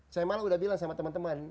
saya malah udah bilang sama teman teman